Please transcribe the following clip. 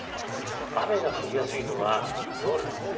雨が降りやすいのは夜。